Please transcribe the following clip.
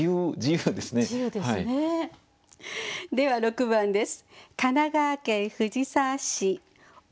では６番です。